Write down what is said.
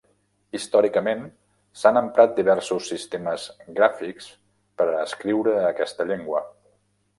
Històricament, s'han emprat diversos sistemes gràfics per a escriure aquesta llengua.